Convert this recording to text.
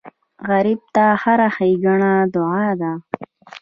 غریب ته هره ښېګڼه دعا ده